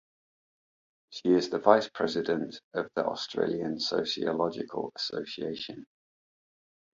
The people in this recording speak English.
She is the Vice President of the Australian Sociological Association.